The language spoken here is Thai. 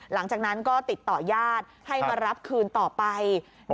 หลังจากนั้นก็ติดต่อญาติให้มารับคืนต่อไป